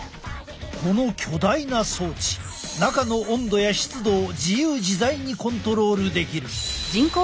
この巨大な装置中の温度や湿度を自由自在にコントロールできる。